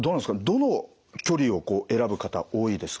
どの距離をこう選ぶ方多いですか？